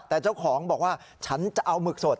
แต่เจ้าของบอกว่าฉันจะเอาหมึกสด